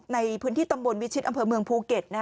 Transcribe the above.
ในพื้นที่ตำบลวิชิตอำเภอเมืองภูเก็ต